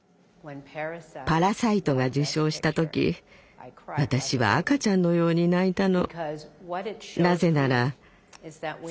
「パラサイト」が受賞した時私は赤ちゃんのように泣いたの。